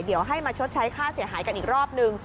เดี๋ยวให้มาชดใช้ค่าเสียหายกันอีกรอบนึง